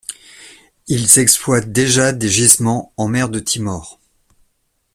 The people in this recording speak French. Ils exploitent déjà des gisements en mer de Timor.